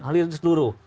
halir di seluruh